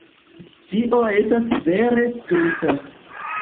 Tio estas vere stulta.